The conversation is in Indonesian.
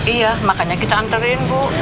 iya makanya kita antarin bu